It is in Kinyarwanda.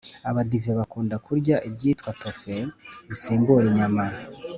abadive bakunda kurya ibyitwa tofe bisimbura inyama